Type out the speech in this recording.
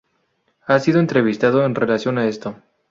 Ha sido entrevistado en relación a esto.